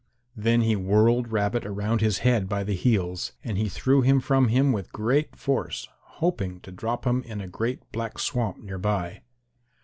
Then he whirled Rabbit around his head by the heels, and he threw him from him with great force, hoping to drop him in a great black swamp near by.